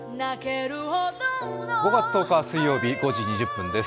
５月１０日水曜日、５時２０分です。